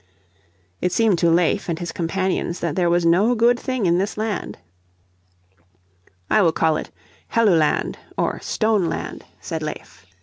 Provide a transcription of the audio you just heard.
It seemed to Leif and his companions that there was no good thing in this land. "I will call it Helluland or Stone Land," said Leif.